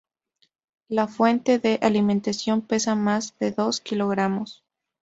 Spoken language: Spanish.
La fuente de alimentación pesa más de dos kilogramos.